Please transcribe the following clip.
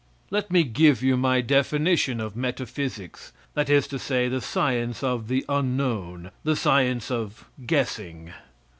Let me give you my definition of metaphysics, that is to say, the science of the unknown, the science of guessing.